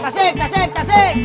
tasik tasik tasik